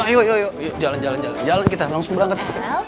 ayo yuk yuk yuk jalan jalan jalan kita langsung berangkat